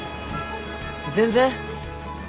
全然。